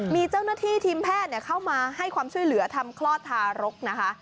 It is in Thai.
มีเจ้าหน้าที่ทีมแพทย์เข้ามาให้ความช่วยเหลือทำคลอดทารกนะคะ